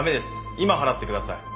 今払ってください。